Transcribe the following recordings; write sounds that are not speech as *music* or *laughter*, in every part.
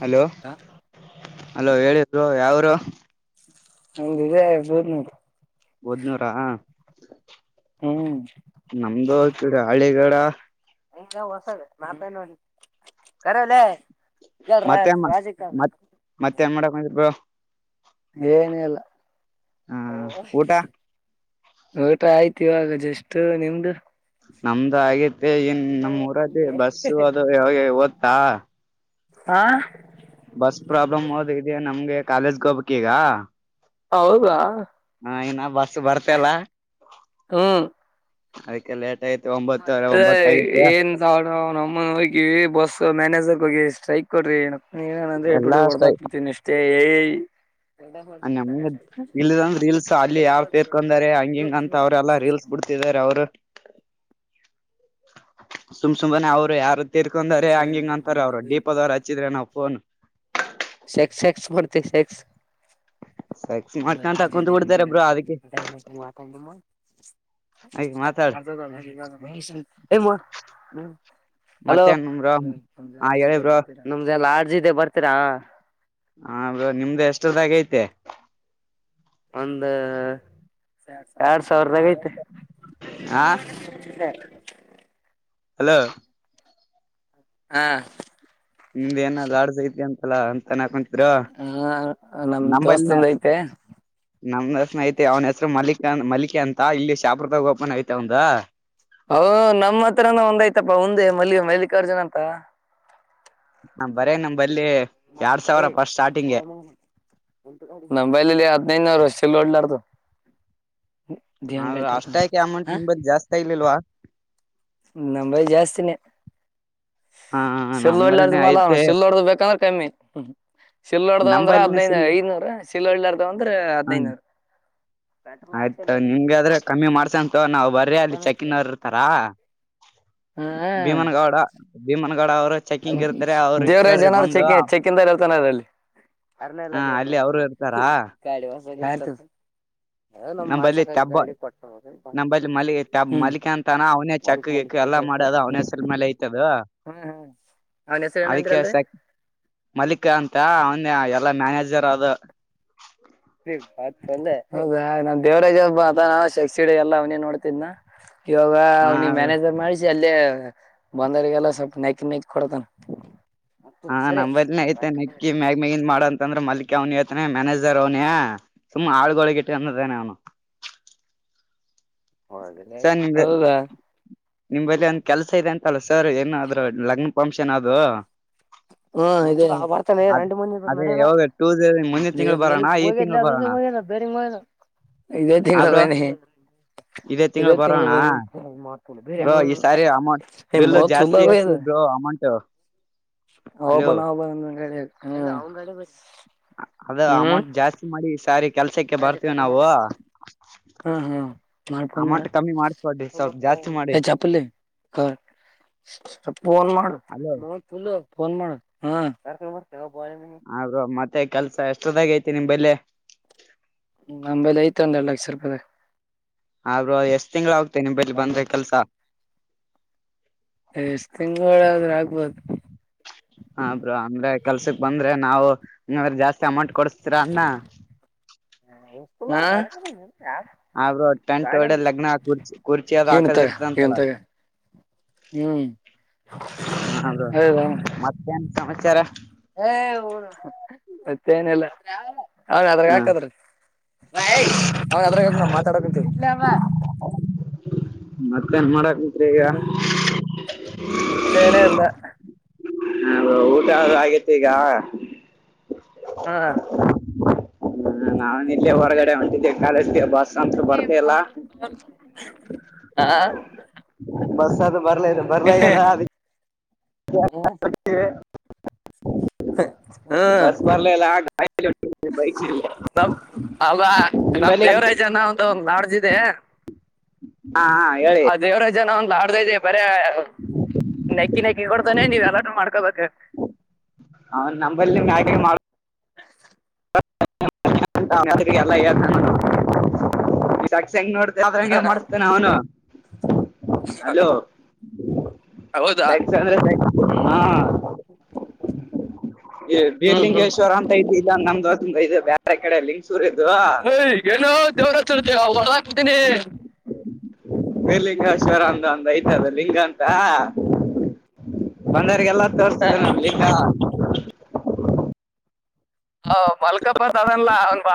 Hello hello ಹೇಳಿ bro ಯಾವೂರು ನಂದ್ ಇದೆ ಬುದನೂರು ಬುದ್ನೂರಾ ಹ್ಮ್ ನಮ್ದು ಇದು ಹಳ್ಳಿಗಿಡ *unintelligible* ಹಂಗ ಹೊಸದ ನಾತ ನೋಡಿ ಕರೆವ ಲೆ ಮತ್ತೆನ್ ಮ ಮತ್ತ್ ಮತ್ತೆ ಏನ್ ಮಾಡಕ್ ಬಂದಿರಿ ಬ್ರೋ. ಏನಿಲ್ಲ. ಹ ಊಟ *unintelligible* ಊಟ ಆಯ್ತ್ ಇವಾಗ ಜಸ್ಟು ನಿಮ್ದು. ನಮ್ದ ಹಾಗೆ. ಎ ಇನ್ ನಮ್ಮ್ ಊರದ ಬಸ್ಸು ಅದು ಯಾವ ಒದ್ ಹಾ ಹಾ. ಬಸ್ ಪ್ರಾಬ್ಲಮ್ ಹೋದಿದೀ ನಮ್ಗೆ ಕಾಲೇಜ್ಗೆ ಹೋಗಬೇಕ್ ಈಗ. ಹೌದಾ ಇನ್ನ ಬಸ್ ಬರ್ತಲ್ಲ ಹ್ಮ್. ಅದಕ್ಕೆ ಲೇಟ್. ಐತಿ ಒಂಬತ್ತುವರೆ ಅದ ಒಂಬತ್ತ ಆಗೈತೆ ಏನ್ ತಾವ ನಮ್ಮನ್ ಹೋಗವಿ ಬಸ್ ಮ್ಯಾನೇಜರ್ *inaudible* ಗೆ ಸ್ಟ್ರೈಕ್ ಕೊಡ್ರಿಕ್ *inaudible* ನೀನೇನಂದ್ರೆ ಎಲ್ಲಾ ಇಪಾಟಿಗ್ ಅಷ್ಟ ಹೊಡದಾಕ್ ಬಿಡ್ತೀನಿ ಅಷ್ಟೇ ಏಯ್ *inaudible* ನಮ ಇಲ್ಲದಂದ ರೀಲ್ಸ್ ಅಲ್ಲಿ ಯಾರ ತೇರ್ಕೊಂಡಾರೆ ಹಂಗ ಹಿಂಗ ಅಂತ ಅವ್ರೆಲ್ಲಾ ರೀಲ್ಸ್ ಬಿಡ್ತಿದಾರ ಅವರು ಸುಮ್ ಸುಮ್ಮನೆ ಅವರು ಯಾರು ತಿರ್ಕೊಂಡರೆ ಹಂಗಿಂಗ ಅಂತಾರ ಅವ್ರು ದೀಪೋದ್ರು ಹಚ್ಚಿದ್ರೆ ನಾವು ಫೋನ್ ಸೆಕ್ಸ್ ಸೆಕ್ಸ್ ಮಾಡ್ತ ಸೆಕ್ಸ್ ಸೆಕ್ಸ್ ಮಾಡ್ಕೊಂತ ಕುಂತ್ ಬಿಡ್ತಾರೆ ಬ್ರೋ ಅದಕ್ಕೆ ಮ್ದ ಹಾಗ ಮಾತಾಡ ಹಂಗೋ್ದ ಮತ್ತೇನ್ ಬ್ರೋ ಹಾ ಹೇಳಿ ಬ್ರೋ *inaudible* ರಜಿ ಇದೆ ಬರ್ತೀರಾ ಹ ನಿಮ್ದ ಎಷ್ಟದಾಗ ಐತೆ ಒಂದು *inaudible* ಎರಡ್ ಸಾವಿರದಾಗ ಐತೆ ಹಾ ಹಲೋ ಹಾ ನಿಮ್ದ್ ಏನ ಲಾಡ್ಜ್ ಐತಿ ಅಂತ ಅಲ್ಲಾ ಹಾ ನಮ ದೋಸ್ತಂದ ಐತೆ. ನಮ್ ಹೆಸನ್ ಐತೆ ಅವ್ನ ಹೆಸರು ಮಲ್ಲಿಕ ಮಲ್ಲಿಕೆ ಅಂತ ಇಲ್ಲಿ ಶಾಪುರ್ದಾಗ ಓಪನ್ ಐತಿ ಅವಂದ. ಹ ನಮ್ಮ್ ಹತ್ರನ ಒಂದ್ಐತ ಇತ್ತಪ್ಪಾ ಮುಂದೆ ಮಲ್ಲಿ ಮಲ್ಲಿಕಾರ್ಜುನ ಅಂತ. ನ ಬರೇ ನಂಬಲ್ಲಿ ಎರಡ್ ಸಾವಿರ ಫಸ್ಟ್ ಸ್ಟಾರ್ಟಿಂಗ್ಗೆ ನಂಬೈಲಲ್ಲಿ ಹದ್ನೈದದುನೂರು ವರ್ಷಲ್ಲ ಓಡ್ಲಾರತು *inaudible* ಹ ಅಷ್ಟ ಆ್ಕ ಅಮೌಂಟ್ ನಿತ್ ಜಾಸ್ತಿ ಆಯತು ಲಿಲ್ವಾ ನಂಬೈ ಜಾಸ್ತಿನೇ ಹಾ ಸಿಲ್ಲೋಡ್್ದ ನಮ್ಮಲ್ಲಿನೆ ಮಲ ಐತೆ ಸಿಿಲ್ಲಡ್ದ ಬೇಕಂದ್ರೆ *unintelligible* ಮೇ *unintelligible* ಸಿಿಲ್ಲೋರ್ದ ಅಂದ್ರ ನಂಬಲ್ಲಿನೆ ಹದ್ಿನೈದು ಸಿಲ್ ಐನೂರ ಸಿಲ್ಲೋಳ್ಳಾರದ ಅಂದ್ರ ಹದ್ಿನೈನೂರ ಆಯ್ತ ನಿಮ್ಗಾದ್ರೆ ಕಮ್ಮಿ ಮಾಡ್ಸಂತ ನಾವ್ ಬರ್ರಿ ಅಲ್ಲಿ ಚೆಕಿನ್ ಅವ್ರ ಇರ್ತಾರ *unintelligible* ಹ ಅ ಭೀಮನ ದೇವರಾಜ್ ಜನರ್ ಬಂದು ಚೆಕ್ ಚೆಕಿಂದ ಹೇಳ್ತಾನದ ಅಲ್ಲಿ ಅರ್ನಲ್ಲ ಹ ನೀವ ಅಲ್ಲಿ ಅವರು ನೋಡ್ತಿಾ ಇರ್ತಾರ *unintelligible* ಯತ *unintelligible* ಅ ನಮ್ ಮಾಸಕ ಗಾಡಿ ಕೊಟ್ಟ ನಮ್ಮಲ್ಲಿ ಮಲ್ಲಿ ಹ್ಮ್ ಮಲಿಕ ಅಂತಾನ ಅವನೇ ಚಕ್ ಹೊಲ್ಕ್ ಮನಿ ಎಕ್ಕ ಎಲ್ಲಾ ಹ್ಮ್ ಮಾಡೋದು ಅವ್ನೇ ಸಲ್ಮೇಾಲ ಐತದ *unintelligible* ಹ್ಮ್ ಅವ್ನ ಹೆಸರು ಅದಕ್ಕೆ ಏನಂದ್ರಲ್ರಿ *unintelligible* ಮಲ್ಲಿಕ್ ಅಂತ ಅವನ್ ಎಲ್ಲಾ ಮ್ಯಾನೇಜರ್ ಜರಾದ ೆ ಹೌದ ನಾನ್ ದೇವರಾಜ ಹಬ್ಬ ನಾ ಶಕ್ಷಿ ಎಲ್ಲ ಅವನ ನೋಡ್ತಿದ್ನ *unintelligible* ಇವಾಗ ಹ ಅವ್ನಿಗೆ ಮ್ಯಾನೇಜರ್ ಮಾಡಿಸಿ ಅಲ್ಲೇ ಬಂದಾರಗೆಲ್ಲ ಸ್ವಲ್ಪ ನೆಕ್ಕಿ ನೆಕ್ಕಿ ಕೊಡತಾನ ಹಾ ನಮ್ದ್ನ ಐತೆನೆ ನಕ್ಕಿ ಮ್ಯಾಗ ಮ್ಯಾಗ ಮಾಡಂತ. ಯಾಕಂದ್ರೆ ಮಲ್ಲಿಕ ಅವ್ನಿ ಹೇಳತನ್ ಮ್ಯಾನೇಜರ್ ಅವನೇ ಸುಮ್ಮ್ನ ಹಾಳ್ಗೊಳಗಿಟ್ಟದೆ ಅವ್ನು ದ ಹೌದಾ ನಿಮಲ್ಲಿ ಒಂದ್ ಕೆಲ್ಸ ಇದೆ ಅಂತಲ್ಲ ಸರ್ ಅದು ಏನಾದ್ರು ಲಗ್ನ ಫಂಕ್ಷನ್ ಅದು ಹ್ಮ ಇದೇ ಯಾವಾಗ್ ಬರ್ತಾನೆ ಅದ್ ರಂಡಿ ಮಗ ಅದೇ ನಡಲ್ಲ ಯಾವಾಗ ಟೂಸ್ ಮುಂದಿನ ತಿಂಗಳು ಬರೋಣ ಈ ಹೋಗ್ ತಿಂಗಳು ಬರೋಣ ಮನ ಬೇರೆಂಗ ಮ ಇದೇ ಆ ಬ್ರೋ ತಿಂಗಳು ಇದೇ ತಿಂಗಳು ತಿಂಗಳ ಬರೋಣ ಬರೀ ಬ್ರೋ ಈ ಸಾರಿ ಅಮೌಂಟ್ ಬಿಲ್ ಮೌತ್ ಫುಲ್ ಜಾಸ್ತಿ ಹಾಕಸಿ ಬ್ರೋ ಅಮೌಂಟ್ ಹಬ ಅಲೋ ನ ಹಬಂದ ಅದ ಹ್ಮ್ ಅಮೌಂಟ್ *inaudible* ಜಾಸ್ತಿ ಮಾಡಿ ಈ ಸಾರಿ ಕೆಲ್ಸಕ್ಕೆ ರಾಜ ಬರ್ತೀವಿ ನಾವು ಕರ್ಕಂಬರಲ್ಲ ಹಾ ಹಾ ನಾಲ್ಪಂದ ನಡ ಅಮೌಂಟ್ ಕಮ್ಮಿ ಮಾಡಿಸ್ಕೊಡ್ರಿ ಸ್ವಲ್ಪ ಜಾಸ್ತಿ ಮಾಡಿ ಚಪ್ಪಲಿೋನ್ ಅಲೋ ಮಾಡಲ ಫೋನ್ ಮಾಡ *inaudible* ಹ್ಮ್ ಯಾರ್ ಕರ್ದಾರ ಆಗೋ ಮತ್ತೆ ಕೆಲ್ಸ ಎಷ್ಟ. ಚುದಾಗ ಐತಿ ನಿಮ್ಮಲ್ಲೇ. ಅದೇ ಆದ್ರು ಎಷ್ಟ್ ತಿಂಗಳ ಆಗತೆ ನಿಮ್ ಬಲ್ಲಿ ಬಂದ್ ಕೆಲ್ಸ. ಎಷ್ಟ ತಿಂಗಳ ಆದ್ರ ಆಗ್ಬೋದು. ಹ ಬ್ರೋ ಅಂದ್ರೆ ಕೆಲ್ಸಕ್ ಬಂದ್ರೆ ನಾವು ನೂರ್ ಜಾಸ್ತಿ ಅಮೌಂಟ್ ಕೊಡ್ಸ್ತೀರ ಅನ್ನ ಹಾ ಹ್ಮ ಆದ್ರು ಟೆಂಟ್ ಒಡೆದ್ ಲಗ್ನ ಕುರ್ಚಿ ಕುರ್ಚಿ ಅದ ಇವ್ನ್ ಹಾಕದ ತಗ ಇವ್ನ್ ಇರ್ತಂತಲ್ಲ ತಗ ಹ್ಮ್ ಹೌದು ಹೌದಾ ಮತ್ತೆನ್ ಸಮಾಚಾರ ಏ ಹಊಡ *unintelligible* ಅ ಏನಿಲ್ಲ ಅವನ ಅದ್ರಗ ಹ ಹಾಕದ್ರಗ ಮಹೇಶ್ ಅವನ ಅದ್ರಾಗ ಇರ್ಲಿ ಬಿಡು ಮಾತಾಡ ಕತೀವಿ ಹ್ಮ ಮತ್ತೇನ್ ಮಾಡಕ್ ಕುಂತ್ರಿ ಈಗ ಹಾ ಹಚ್ಚೇನೆ ಎಂದ ಹ ಊಟ ಅದ ಆಗೇತಿ ಈಗ ಹಾ ಹ್ಮ ನಾನ ಇಲ್ಲೇ ಹೊರಗಡೆ ಹೊಂಟಿದ್ದೆ ಕಾಲೇಜಗೆ ಬಸ್ ಅಂತು ಬರ್ತ ಇಲ್ಲ. ಹಾ ಬಸ್ಸದು ಬರ್ಲ ಬರ್ಲಗದ ಅದ್ ಏನ್ ಹ್ಮ್ ಮಾಡಾಕತ್ತಿದಿ ಬಸ್ ಬರ್ಲಿಲ್ಲ ಗಾಡಿ *unintelligible* ಬೈಕ್ ಇ ನಮ್ ಅಲ್ಲ ನಿಮ್ ನಮ್ ಬನ್ನಿ ದೇವರಾಜನ ಅಂತ ಒಂದ್ ಲಾಡ್ಜ್ ಇದೆ ಹಾ ಹಾ ಹೇಳಿ ಅನ್ನೋ ಒಂದ್ ಲಾಡ್ಜ್ ಇದೆ ಹಾ ನೆಕ್ಕಿ ನೆಕ್ಕಿ ಕೊಡ್ತಾನೆ ನೀವ್ ಎಲ್ಲಾನೂ ಮಾಡ್ಕೋಬೇಕು ಅವನ್ ನಂಬಲ್ಲಿ ಮ್ಯಾಗಿ ನನಗ ಎಲ್ಲ ಹೇಳ್ತಾನ ಅವ *unintelligible* ಹೆಂಗ್ ನೋಡ್ತೆ ಅದ್ರಂಗೆ ಮಾಡ್ಸ್ತನೆ ಅವ್ನು ಹಲೋ ಹೌದಾ ಸೆಕ್ಸ್ ಅಂದ್ರೆ ಸಕ್ ಹಾ ಈ ಹ್ಮ್ ಬೀರ್ಲಿಂಗೇಶ್ವರ ಅಂತ ಇದ್ ಇಲ್ಲ ನಮ್ದ್ *unintelligible* ಇದು ಬೇರೆ ಕಡೆ ಲಿಂಗಸೂರ್ ಇದು ಏಯ್ ಏನೋ ದೇವ್ರ ಹಚ್ಚರ್ತಿ *unintelligible* ಬೀರ್ಲಿಂಗೇಶ್ವರ ಅಂತ್ ಒಂದು ಐತಿ ಅದ್ ಲಿಂಗ ಅಂತ ಬಂದೊರ್ಗೆಲ್ಲ ತೋರಿಸ್ತಿದೆ ಅಣ್ಣ ಲಿಂಗ ಹ ಮಲ್ಕಪ್ಪ *unintelligible* ಅಲ್ವ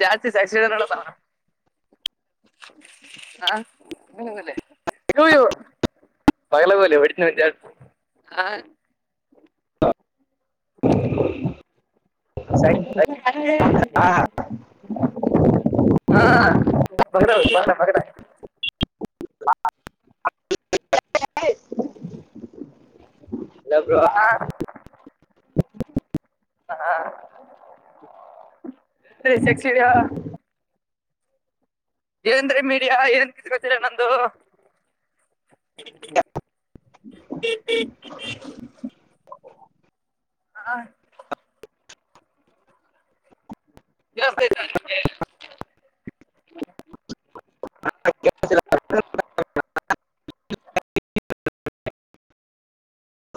ಜಾಸ್ತಿ *unintelligible* ಹ ಸೈ- ಸೈ- ಆ, *unintelligible* *unintelligible* *unintelligible* ಹ *unintelligible* ಏನ್ರಿ ಮೀಡಿಯಾ ಏನ್ ಕಿತ್ಕತೀರಾ ನಂದು *unintelligible* ಹಾ ಜಾಸ್ತ *unintelligible* ಹ ಹಾ